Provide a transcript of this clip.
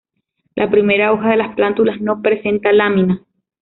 La primera hoja de las plántulas no presenta lámina.